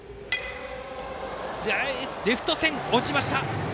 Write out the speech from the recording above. レフト線、落ちました。